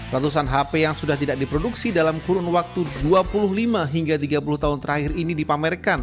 ratusan hp yang sudah tidak diproduksi dalam kurun waktu dua puluh lima hingga tiga puluh tahun terakhir ini dipamerkan